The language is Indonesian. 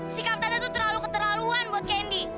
sikap tante tuh terlalu keterlaluan buat candy